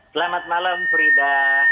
selamat malam frida